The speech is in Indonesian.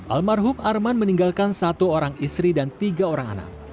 almarhum arman meninggalkan satu orang istri dan tiga orang anak